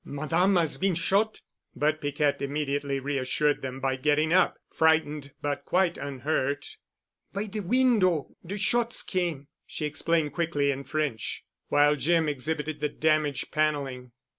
"Madame has been shot——?" But Piquette immediately reassured them by getting up, frightened but quite unhurt. "By the window—the shots came," she explained quickly in French, while Jim exhibited the damaged paneling.